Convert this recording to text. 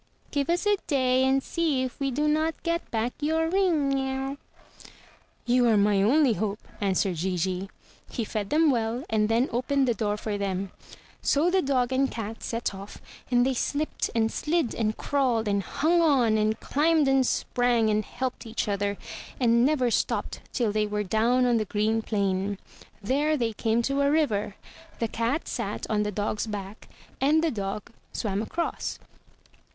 Give us a day, and see if we do not get back your ring." "You are my only hope," answered Gigi. He fed them well, and then opened the door for them. So the dog and cat set off, and they slipped, and slid, and crawled, and hung on, and climbed and sprang, and helped each other, and never stopped till they were down on the green plain. There they came to a river. The cat sat on the dog's back, and the dog swam across.